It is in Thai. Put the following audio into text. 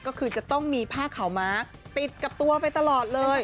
ก็คือจะต้องมีผ้าขาวม้าติดกับตัวไปตลอดเลย